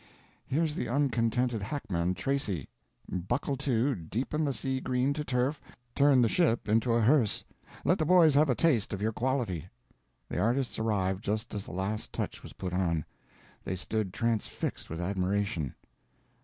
"Here's the uncontented hackman, Tracy. Buckle to—deepen the sea green to turf, turn the ship into a hearse. Let the boys have a taste of your quality." The artists arrived just as the last touch was put on. They stood transfixed with admiration.